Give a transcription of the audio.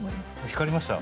光りました。